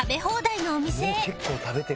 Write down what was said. もう結構食べてる。